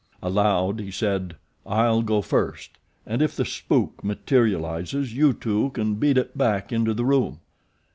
Aloud, he said: "I'll go first, and if the spook materializes you two can beat it back into the room."